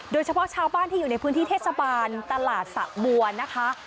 โดยเฉพาะชาวบ้านที่อยู่ในพื้นที่เทศบาลตลาดสะบัวนะคะ